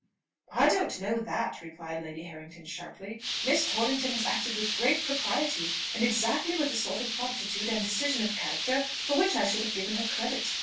"I don't know that," replied Lady Harrington sharply. "Miss Torrington has acted with great propriety, and exactly with the sort of promptitude and decision of character for which I should have given her credit.